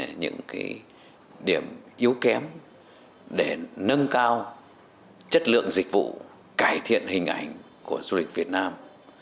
những điểm yếu kém để nâng cao chất lượng dịch vụ cải thiện hình ảnh của du lịch việt nam